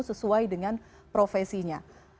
sesuai dengan profesinya